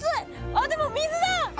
あっでも水だ！